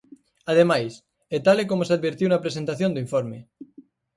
Ademais, e tal e como se advertiu na presentación do informe.